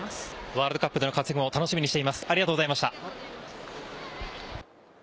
ワールドカップでの活躍も楽しみにしています。